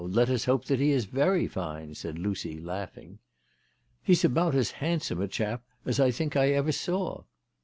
Let us hope that he is very fine," said Lucy laughing. " He's about as handsome a chap as I think I ever saw."